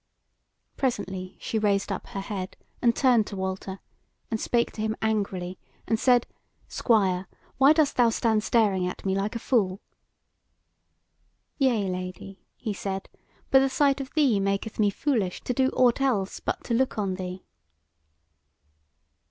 Presently she raised up her head and turned to Walter, and spake to him angrily and said: "Squire, why dost thou stand staring at me like a fool?" "Yea, Lady," he said; "but the sight of thee maketh me foolish to do aught else but to look on thee."